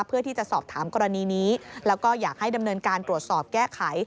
เพื่อที่จะสอบถามกรณีนี้แล้วก็อยากให้ดำเนินการตรวจสอบแก้ไข